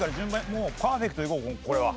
もうパーフェクトいこうこれは。